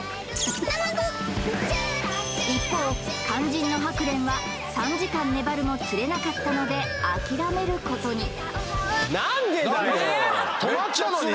一方肝心のハクレンは３時間粘るも釣れなかったので諦めることに泊まったのに？